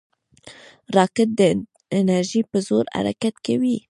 راکټ د انرژۍ په زور حرکت کوي